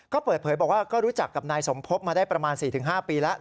ก็เปิดเผยบอกว่าก็รู้จักกับนายสมพบมาได้ประมาณ๔๕ปีแล้ว